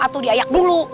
atau diayak dulu